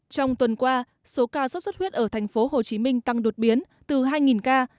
trong tuần qua số ca sốt xuất huyết ở thành phố hồ chí minh tăng đột biến từ hai ca